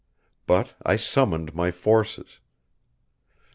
But I summoned my forces.